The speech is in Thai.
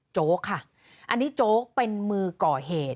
โจ๊กค่ะอันนี้โจ๊กเป็นมือก่อเหตุ